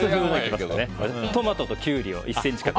トマトとキュウリを１ｃｍ角に。